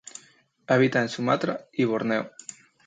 Habita en Sumatra y Borneo.